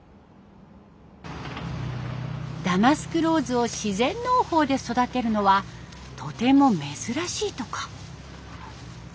ダマスクローズを自然農法で育てるのはとても珍しいとか。